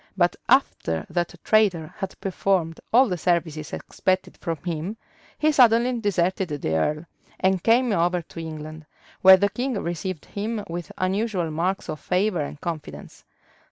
But after that traitor had performed all the services expected from him, he suddenly deserted the earl, and came over to England, where the king received him with unusual marks of favor and confidence.